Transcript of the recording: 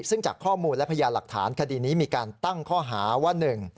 ซึ่งจากข้อมูลและพยานหลักฐานคดีนี้มีการตั้งข้อหาว่าหนึ่ง